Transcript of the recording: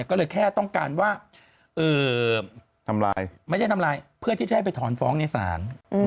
ก็เลยแค่ต้องการว่าทำลายไม่ใช่ทำลายเพื่อที่จะให้ไปถอนฟ้องในศาล